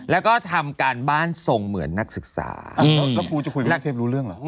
แล้วครูจะคุยกับเทพรู้เรื่องหรอ